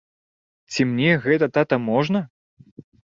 Ці мне гэта, тата, можна?